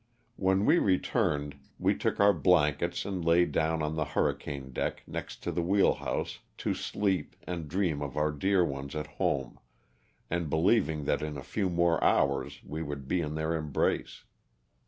When we returned we took our blankets and laid down on the hurricane deck next to the wheel house to sleep and dream of our dear ones at home, and believing that in a few more hours we would be in their embrace.